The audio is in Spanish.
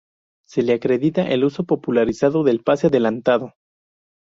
Se le acredita el uso popularizado del pase adelantado.